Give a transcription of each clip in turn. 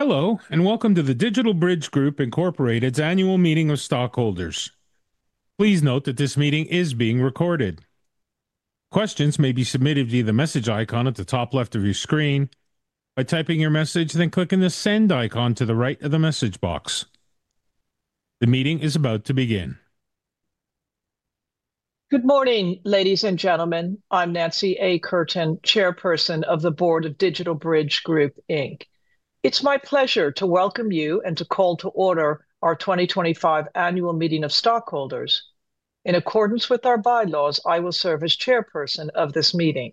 Hello, and welcome to the DigitalBridge Group Incorporated Annual Meeting of Stockholders. Please note that this meeting is being recorded. Questions may be submitted via the message icon at the top left of your screen by typing your message, then clicking the send icon to the right of the message box. The meeting is about to begin. Good morning, ladies and gentlemen. I'm Nancy A. Curtin, Chairperson of the Board of DigitalBridge Group. It's my pleasure to welcome you and to call to order our 2025 annual meeting of stockholders. In accordance with our bylaws, I will serve as Chairperson of this meeting.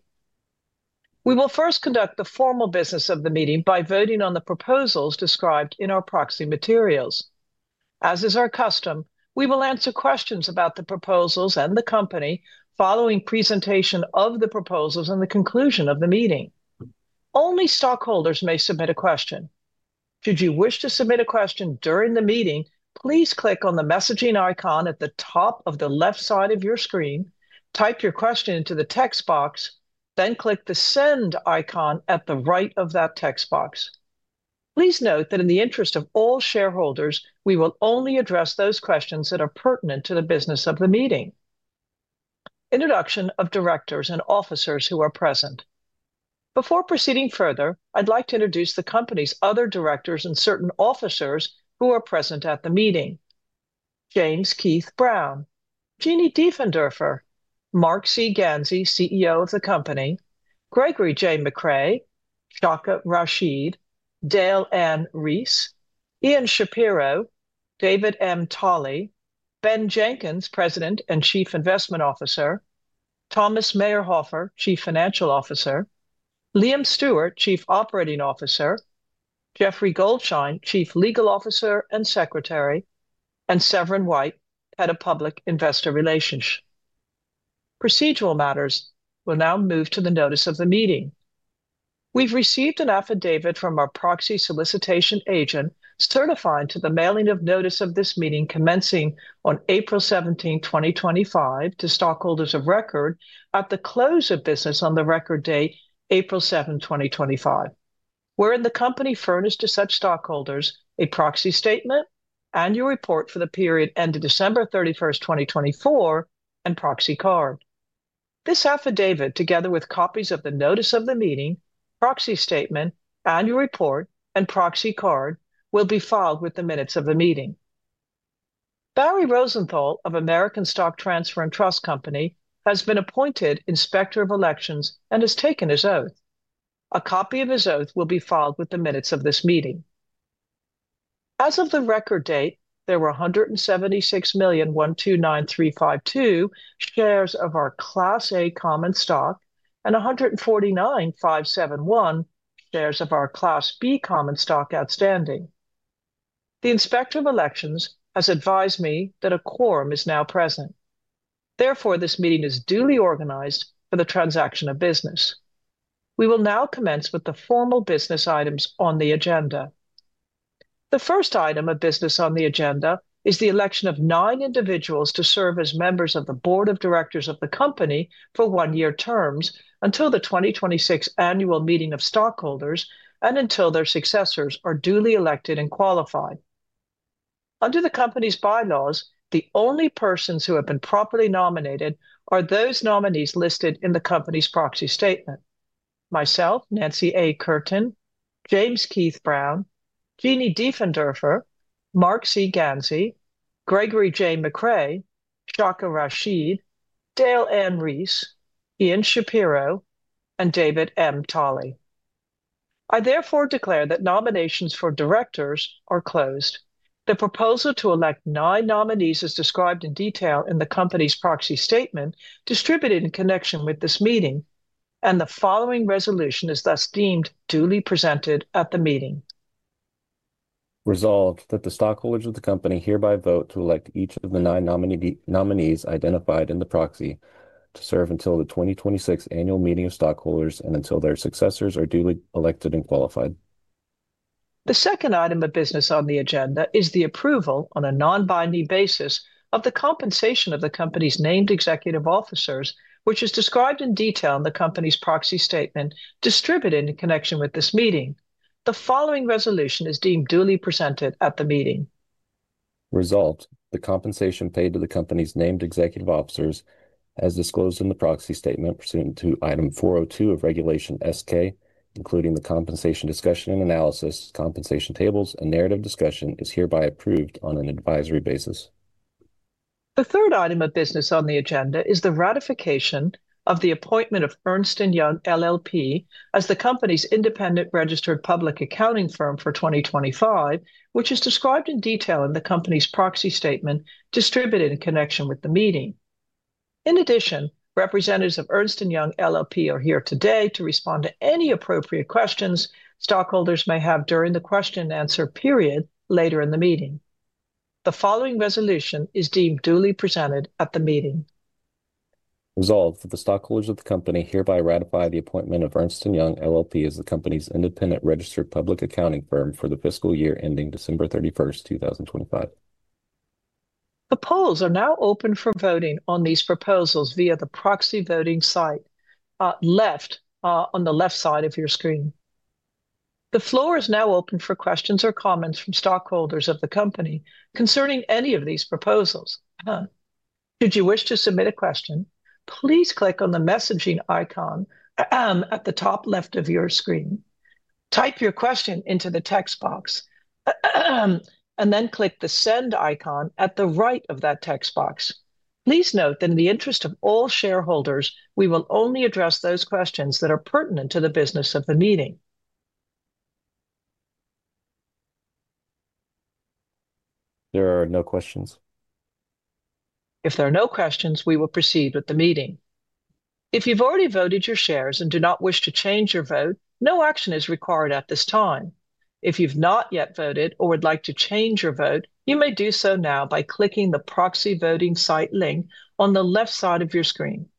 We will first conduct the formal business of the meeting by voting on the proposals described in our proxy materials. As is our custom, we will answer questions about the proposals and the company following presentation of the proposals and the conclusion of the meeting. Only stockholders may submit a question. Should you wish to submit a question during the meeting, please click on the messaging icon at the top of the left side of your screen, type your question into the text box, then click the send icon at the right of that text box. Please note that in the interest of all shareholders, we will only address those questions that are pertinent to the business of the meeting. Introduction of directors and officers who are present. Before proceeding further, I'd like to introduce the company's other directors and certain officers who are present at the meeting. James Keith Brown, Jeanie Diefenhofer, Marc C. Ganzi, CEO of the company, Gregory J. McCrae, Shaka Rasheed, Dale N. Reese, Ian Shapiro, David M. Tolly, Ben Jenkins, President and Chief Investment Officer, Thomas Mayrhofer, Chief Financial Officer, Liam Stewart, Chief Operating Officer, Geoffrey Goldschein Chief Legal Officer and Secretary, and Severin White, Head of Public Investor Relations. Procedural matters will now move to the notice of the meeting. We've received an affidavit from our proxy solicitation agent certifying to the mailing of notice of this meeting commencing on April 17, 2025, to stockholders of record at the close of business on the record date April 7, 2025. We're in the company furnished to such stockholders a proxy statement, annual report for the period ended December 31, 2024, and proxy card. This affidavit, together with copies of the notice of the meeting, proxy statement, annual report, and proxy card, will be filed with the minutes of the meeting. Barry Rosenthal of American Stock Transfer and Trust Company has been appointed Inspector of Elections and has taken his oath. A copy of his oath will be filed with the minutes of this meeting. As of the record date, there were 176,129,352 shares of our Class A common stock and 149,571 shares of our Class B common stock outstanding. The Inspector of Elections has advised me that a quorum is now present. Therefore, this meeting is duly organized for the transaction of business. We will now commence with the formal business items on the agenda. The first item of business on the agenda is the election of nine individuals to serve as members of the Board of Directors of the company for one-year terms until the 2026 annual meeting of stockholders and until their successors are duly elected and qualified. Under the company's Bylaws, the only persons who have been properly nominated are those nominees listed in the company's proxy statement: myself, Nancy A. Curtin, James Keith Brown, Jeanie Diefenhofer, Marc C. Ganzi, Gregory J. McCrae, Shaka Rasheed, Dale N. Reese, Ian Shapiro, and David M. Tolley. I therefore declare that nominations for directors are closed. The proposal to elect nine nominees is described in detail in the company's proxy statement distributed in connection with this meeting, and the following resolution is thus deemed duly presented at the meeting. Resolved that the stockholders of the company hereby vote to elect each of the nine nominees identified in the proxy to serve until the 2026 annual meeting of stockholders and until their successors are duly elected and qualified. The second item of business on the agenda is the approval on a non-binding basis of the compensation of the company's named executive officers, which is described in detail in the company's proxy statement distributed in connection with this meeting. The following resolution is deemed duly presented at the meeting. Resolved. The compensation paid to the company's named executive officers, as disclosed in the proxy statement pursuant to Item 402 of Regulation S-K, including the compensation discussion and analysis, compensation tables, and narrative discussion, is hereby approved on an advisory basis. The third item of business on the agenda is the ratification of the appointment of Ernst & Young LLP as the company's independent registered public accounting firm for 2025, which is described in detail in the company's proxy statement distributed in connection with the meeting. In addition, representatives of Ernst & Young LLP are here today to respond to any appropriate questions stockholders may have during the question-and-answer period later in the meeting. The following resolution is deemed duly presented at the meeting. Resolved that the stockholders of the company hereby ratify the appointment of Ernst & Young LLP as the company's independent registered public accounting firm for the fiscal year ending December 31, 2025. The polls are now open for voting on these proposals via the proxy voting site on the left side of your screen. The floor is now open for questions or comments from stockholders of the company concerning any of these proposals. Should you wish to submit a question, please click on the messaging icon at the top left of your screen. Type your question into the text box and then click the send icon at the right of that text box. Please note that in the interest of all shareholders, we will only address those questions that are pertinent to the business of the meeting. There are no questions. If there are no questions, we will proceed with the meeting. If you've already voted your shares and do not wish to change your vote, no action is required at this time. If you've not yet voted or would like to change your vote, you may do so now by clicking the proxy voting site link on the left side of your screen.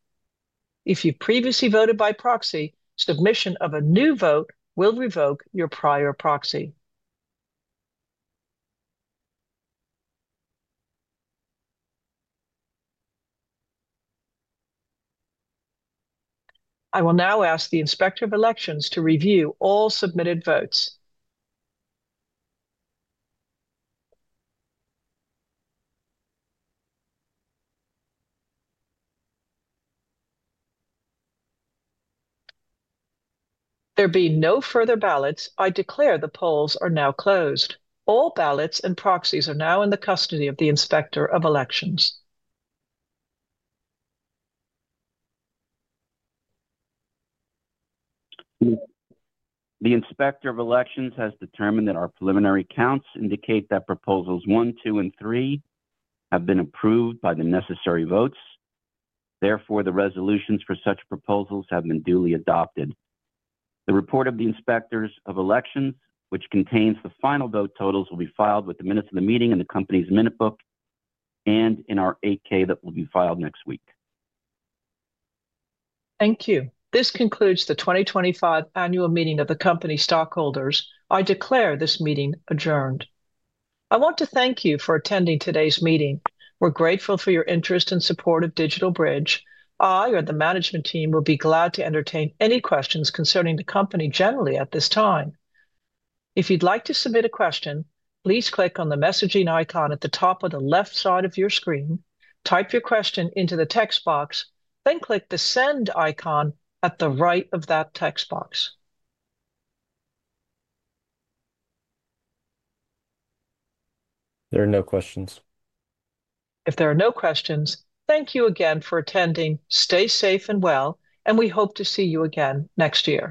If you've previously voted by proxy, submission of a new vote will revoke your prior proxy. I will now ask the Inspector of Elections to review all submitted votes. There being no further ballots, I declare the polls are now closed. All ballots and proxies are now in the custody of the Inspector of Elections. The Inspector of Elections has determined that our preliminary counts indicate that proposals one, two, and three have been approved by the necessary votes. Therefore, the resolutions for such proposals have been duly adopted. The report of the Inspectors of Elections, which contains the final vote totals, will be filed with the minutes of the meeting in the company's minute book and in our 8-K that will be filed next week. Thank you. This concludes the 2025 annual meeting of the company stockholders. I declare this meeting adjourned. I want to thank you for attending today's meeting. We're grateful for your interest and support of DigitalBridge. I or the management team will be glad to entertain any questions concerning the company generally at this time. If you'd like to submit a question, please click on the messaging icon at the top of the left side of your screen, type your question into the text box, then click the send icon at the right of that text box. There are no questions. If there are no questions, thank you again for attending. Stay safe and well, and we hope to see you again next year.